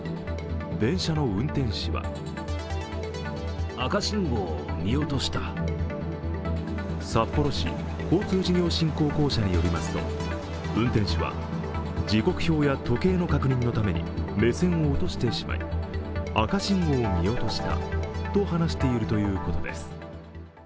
電車の運転士は札幌市交通事業振興公社によりますと、運転士は時刻表や時計の確認のために目線を落としてしまい、赤信号を見落としたと話しているということです。